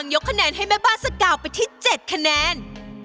ยกคะแนนให้แม่บ้านสกาวไปที่๗คะแนน